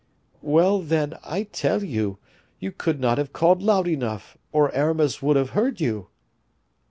"Well, then, I tell you, you could not have called loud enough, or Aramis would have heard you."